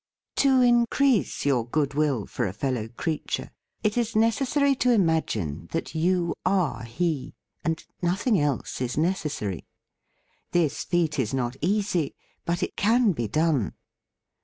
To increase your goodwill for a fel low creature, it is necessary to imagine that you are he: and nothing else is necessary. This feat is not easy; but it can be done.